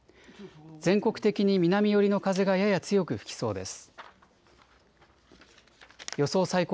全国的に南寄りの風がやや強く吹きそうです。